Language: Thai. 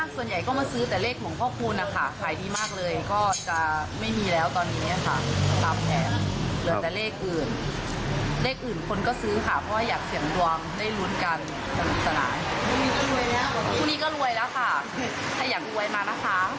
คู่นี้ก็รวยแล้วค่ะถ้าอยากรวยมานะคะ